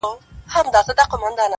یار به ملا تړلی حوصلې د دل دل واغوندم,